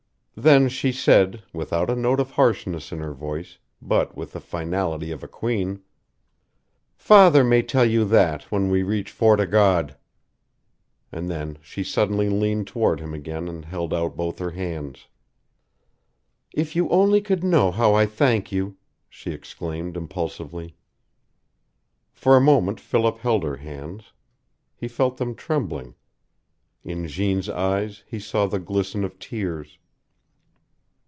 Then she said, without a note of harshness in her voice, but with the finality of a queen: "Father may tell you that when we reach Fort o' God!" And then she suddenly leaned toward him again and held out both her hands. "If you only could know how I thank you!" she exclaimed, impulsively. For a moment Philip held her hands. He felt them trembling. In Jeanne's eyes he saw the glisten of tears.